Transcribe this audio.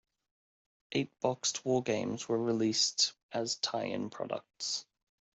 Eight boxed wargames were released as tie-in products.